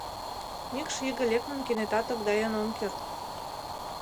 Мӱкш иге лекмым кенета тогдаен ом керт.